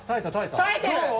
耐えてる！